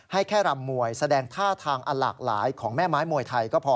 ให้แค่รำมวยแสดงท่าทางอันหลากหลายของแม่ไม้มวยไทยก็พอ